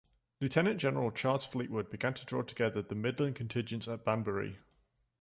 Lieutenant-General Charles Fleetwood began to draw together the midland contingents at Banbury.